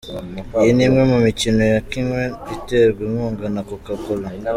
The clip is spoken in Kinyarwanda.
Iyi ni imwe mu mikino yakinwe iterwa inkunga na Coca-cola.